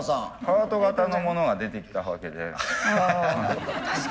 ハート形のものが出てきたわけで。